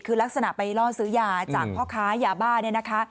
คือลักษณะไปล่อซื้อยาจากพ่อค้ายาบ้า